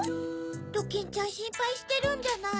ドキンちゃんしんぱいしてるんじゃない？